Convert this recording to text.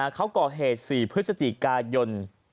เขาก่อเหตุ๔พฤศจิกายน